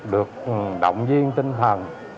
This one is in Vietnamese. được động viên tinh thần